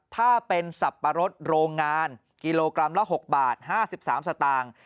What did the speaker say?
ถ้าเป็นสับปะรดโรงงานกิโลกรัมละ๖บาท๕๓สตางค์